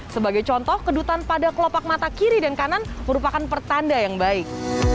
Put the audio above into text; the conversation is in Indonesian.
sebagai contoh kedutan pada kelopak mata kiri dan kanan merupakan pertanda yang baik